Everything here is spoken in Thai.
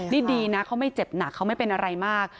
นี่ดีนะเขาไม่เจ็บหนักเขาไม่เป็นอะไรมาก